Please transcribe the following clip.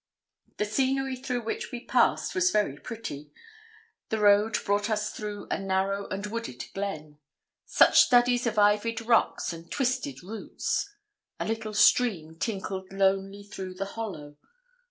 The scenery through which we passed was very pretty. The road brought us through a narrow and wooded glen. Such studies of ivied rocks and twisted roots! A little stream tinkled lonely through the hollow.